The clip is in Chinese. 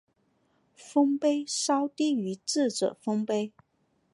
丰碑稍低于智者丰碑。